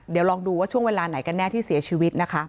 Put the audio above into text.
เดี๋ยวลองดูว่าช่วงเวลาไหนกันแน่ที่เสียชีวิตนะคะ